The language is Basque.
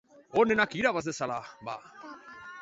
Onenak irabaz dezala, bada!